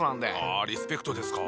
あリスペクトですか。